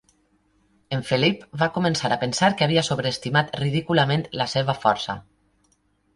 En Felip va començar a pensar que havia sobreestimat ridículament la seva força.